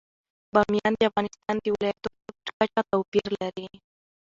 بامیان د افغانستان د ولایاتو په کچه توپیر لري.